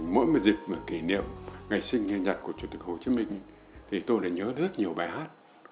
mỗi một dịp kỷ niệm ngày sinh nhật của chủ tịch hồ chí minh thì tôi đã nhớ rất nhiều bài hát